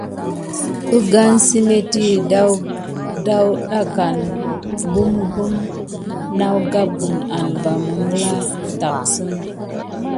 Əgane səmétti dətɗaŋgəne gɓugɓum nawgapgəne ane va məŋɠla tacksəne.